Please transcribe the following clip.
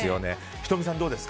仁美さんどうですか？